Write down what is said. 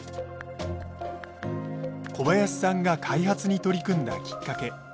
小林さんが開発に取り組んだきっかけ。